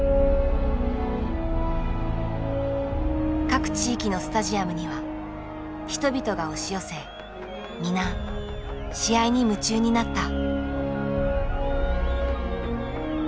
各地域のスタジアムには人々が押し寄せ皆試合に夢中になった。